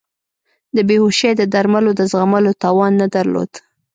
د بیهوشۍ د درملو د زغملو توان نه درلود.